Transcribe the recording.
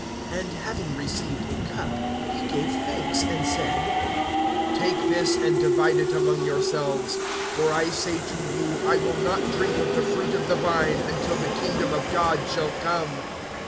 (17)And having received a cup, he gave thanks and said: Take this, and divide it among yourselves. (18)For I say to you, I will not drink of the fruit of the vine, until the kingdom of God shall come.